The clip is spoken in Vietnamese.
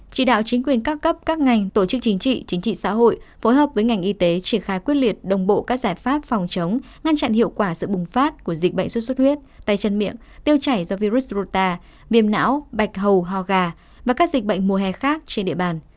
chỉ đạo chính quyền các cấp các ngành tổ chức chính trị chính trị xã hội phối hợp với ngành y tế triển khai quyết liệt đồng bộ các giải pháp phòng chống ngăn chặn hiệu quả sự bùng phát của dịch bệnh xuất xuất huyết tay chân miệng tiêu chảy do virus rota viêm não bạch hầu ho gà và các dịch bệnh mùa hè khác trên địa bàn